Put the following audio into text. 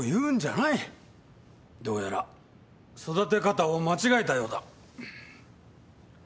どうやら育て方を間違えたようだ。